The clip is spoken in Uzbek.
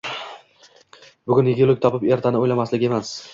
bugun yegulik topib, ertani o'ylamaslik emas.